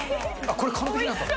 これ、完璧なんだ。